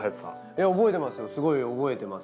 覚えてます？